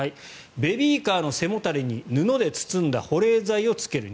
ベビーカーの背もたれに布で包んだ保冷剤をつける。